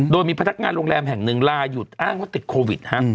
โดยมีพนักงานโรงแรมแห่งหนึ่งลาหยุดอ้างว่าติดโควิด